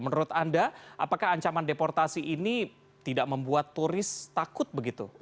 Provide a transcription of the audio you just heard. menurut anda apakah ancaman deportasi ini tidak membuat turis takut begitu untuk melakukan hal hal yang tidak terlalu baik